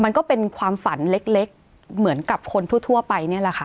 มันก็เป็นความฝันเล็กเหมือนกับคนทั่วไปนี่แหละค่ะ